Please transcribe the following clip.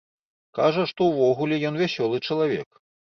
Кажа, што ўвогуле ён вясёлы чалавек.